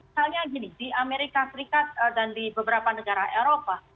misalnya gini di amerika serikat dan di beberapa negara eropa